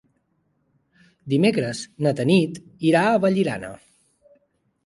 Dimecres na Tanit irà a Vallirana.